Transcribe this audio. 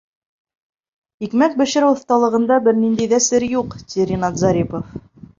— Икмәк бешереү оҫталығында бер ниндәй ҙә сер юҡ, — ти Ринат Зарипов.